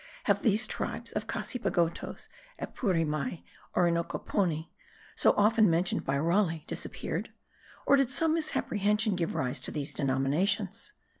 Have these tribes of Cassipagtos, Epuremei, and Orinoqueponi, so often mentioned by Raleigh, disappeared? or did some misapprehension give rise to these denominations?